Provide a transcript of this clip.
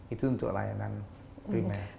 itu untuk layanan primer